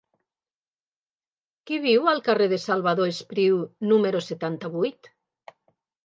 Qui viu al carrer de Salvador Espriu número setanta-vuit?